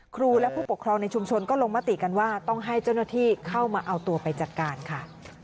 ครูและผู้ปกครองในชุมชนก็ลงมติกันว่าต้องให้เจ้าหน้าที่เข้ามาเอาตัวไปจัดการค่ะ